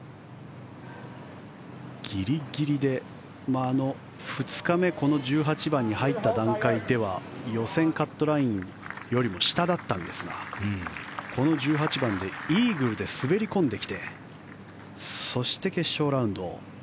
ギリギリで２日目この１８番に入った段階では予選カットラインよりも下だったんですがこの１８番でイーグルで滑り込んできてそして決勝ラウンド。